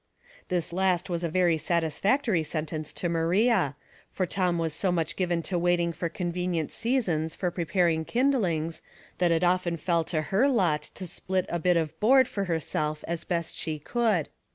This last was a very satisfactory sentence to Maria, for Tom was so much given to waiting for convenient seasons for preparing kindlings that it often fell to her lot to split a bit of board for herself as best she could.